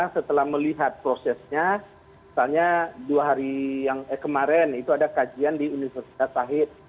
setelah melihat prosesnya misalnya kemarin ada kajian di universitas tahit